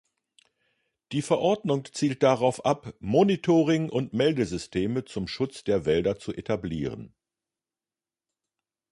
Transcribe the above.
Die Verordnung zielt darauf ab, Monitoring- und Meldesysteme zum Schutz der Wälder zu etablieren.